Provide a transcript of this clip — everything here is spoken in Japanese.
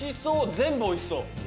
全部おいしそう。